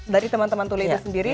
dari teman teman tuli itu sendiri